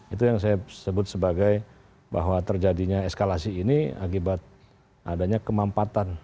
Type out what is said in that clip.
itu yang saya sebut sebagai bahwa terjadinya eskalasi ini akibat adanya kemampatan